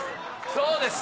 そうです。